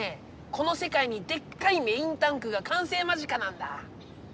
このせかいにでっかいメインタンクがかんせい間近なんだ。